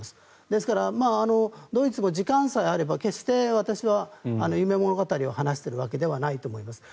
ですからドイツも時間さえあれば決して私は夢物語を話しているわけではないと思います。